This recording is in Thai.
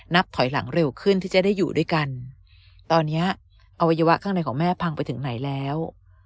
นับถอยหลังเร็วขึ้นที่จะได้อยู่ด้วยกันตอนนี้อวัยวะข้างในของแม่พังไปถึงไหนแล้ว